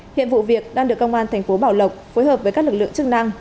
hiện vụ việc đang được công an thành phố bảo lộc phối hợp với các lực lượng chức năng